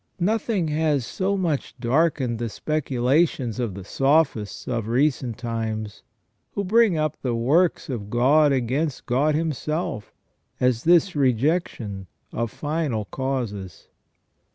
Nothing has so much darkened the specu lations of the sophists of recent times, who bring up the works of God against God Himself, as this rejection of final causes.